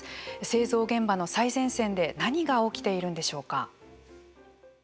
製造現場の最前線で何が起きているんでしょうか。